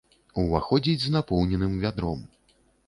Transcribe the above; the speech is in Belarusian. Уваходзіць з напоўненым вядром.